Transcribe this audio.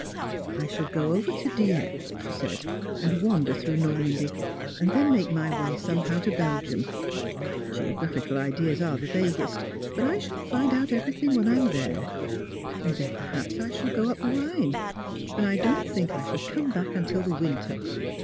" I shall go over to Dieppe," she said, " and wander through Normandy, and then make my way somehow to Belgium — my geographical ideas are the vaguest, but I shall find out every thing when I am there — ^and then perhaps I shall go up the Rhine ; and I don't think I sliall come back till the winter.